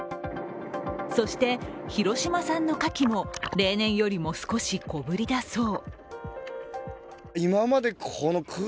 そして広島産のかきも例年より少し小ぶりだそう。